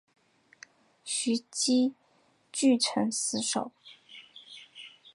徐揖据城死守。